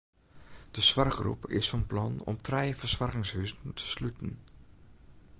De soarchgroep is fan plan om trije fersoargingshuzen te sluten.